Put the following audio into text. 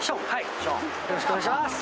はい。